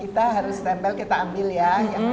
kita harus tempel kita ambil ya